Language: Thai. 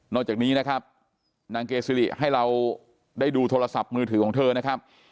จากนี้นะครับนางเกซิริให้เราได้ดูโทรศัพท์มือถือของเธอนะครับ